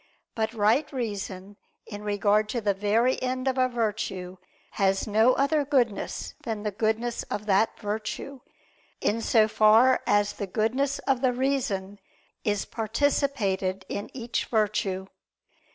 But right reason in regard to the very end of a virtue has no other goodness than the goodness of that virtue, in so far as the goodness of the reason is participated in each virtue.